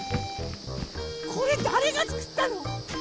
これだれがつくったの？